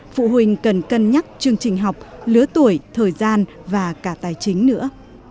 phụ huynh cần cân nhắc chương trình học lứa tuổi thời gian và cả tài chính nữa